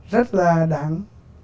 rất là đáng